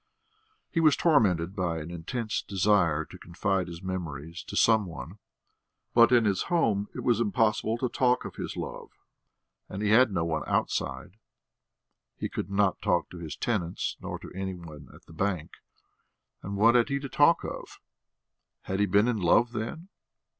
He was tormented by an intense desire to confide his memories to some one. But in his home it was impossible to talk of his love, and he had no one outside; he could not talk to his tenants nor to any one at the bank. And what had he to talk of? Had he been in love, then?